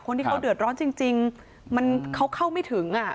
คนที่เขาเดือดร้อนจริงมันเขาเข้าไม่ถึงอ่ะ